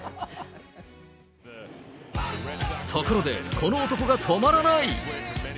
ところで、この男が止まらない。